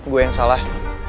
gue yang salah